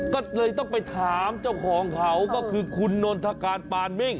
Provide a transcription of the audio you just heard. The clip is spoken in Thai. ก็เลยต้องไปถามเจ้าของเขาก็คือคุณนนทการปานมิ่ง